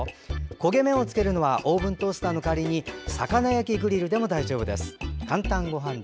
焦げ目をつけるのはオーブントースターの代わりに魚焼きグリルでも大丈夫です。